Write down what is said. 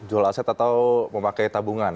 jual aset atau memakai tabungan